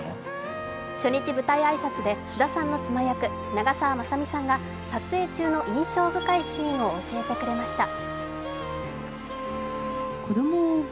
初日舞台挨拶で菅田さんの妻役長澤まさみさんが撮影中の印象深いシーンを教えてくれました。